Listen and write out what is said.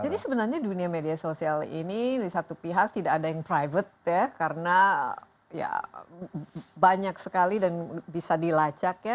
jadi sebenarnya dunia media sosial ini di satu pihak tidak ada yang private ya karena ya banyak sekali dan bisa dilacak ya